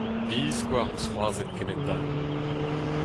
Biskoazh 'm eus c'hoarzhet kement-all